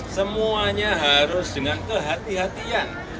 semuanya harus dengan kehati hatian